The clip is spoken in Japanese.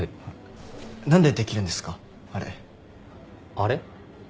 あれ？